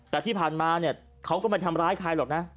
แต่ที่ผ่านมาเนี่ยเขาก็ไม่ทำร้ายใครหรอกนะ